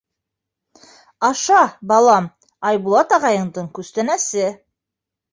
— Аша, балам, Айбулат ағайыңдың күстәнәсе.